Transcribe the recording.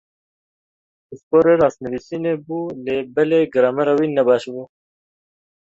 Pisporê rastnivîsînê bû lê belê gramera wî nebaş bû.